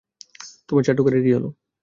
তোমার চাটুকারের কী হল?